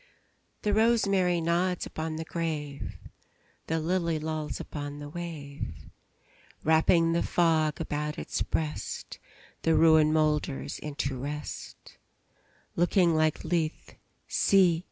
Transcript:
The rosemary nods upon the grave; The lily lolls upon the wave; Wrapping the fog about its breast, The ruin moulders into rest; Looking like Lethe, see!